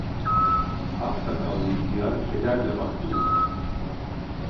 Ak sakallı ihtiyar kederle baktı buna.